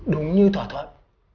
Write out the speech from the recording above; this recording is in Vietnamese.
đúng như thỏa thuận